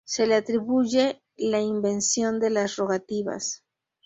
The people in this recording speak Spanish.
Se la atribuye la invención de las Rogativas.